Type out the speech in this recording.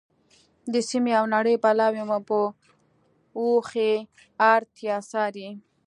د سیمې او نړۍ بلاوې مو په اوښیártیا څاري.